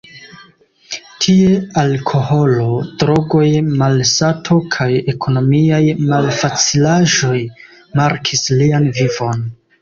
Tie alkoholo, drogoj, malsato kaj ekonomiaj malfacilaĵoj markis lian vivon.